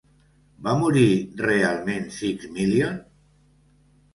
Va morir realment Six Million?